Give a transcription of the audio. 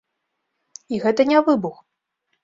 І гэта не выбух.